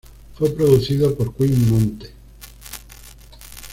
Fue producido por Quim Monte.